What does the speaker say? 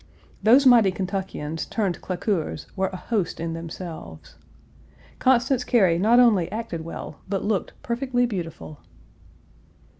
Those mighty Kentuckians turned claqueurs, were a host in themselves. Constance Cary not only acted well, but looked perfectly beautiful.